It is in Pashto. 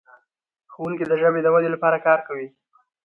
ښوونکي د ژبې د ودې لپاره کار کوي.